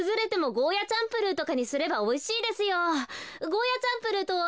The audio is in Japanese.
ゴーヤチャンプルーとは。